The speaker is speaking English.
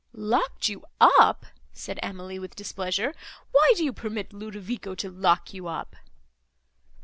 "Locked you up!" said Emily, with displeasure, "Why do you permit Ludovico to lock you up?"